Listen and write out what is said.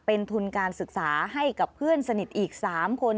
เป็นทุนการศึกษาให้กับเพื่อนสนิทอีก๓คน